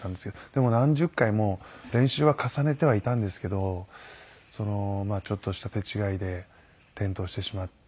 でも何十回も練習は重ねてはいたんですけどちょっとした手違いで転倒してしまって。